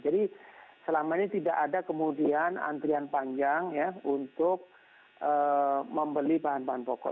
jadi selama ini tidak ada kemudian antrian panjang untuk membeli bahan bahan pokok